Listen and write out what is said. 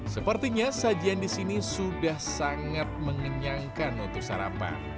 sepertinya sajian di sini sudah sangat mengenyangkan untuk sarapan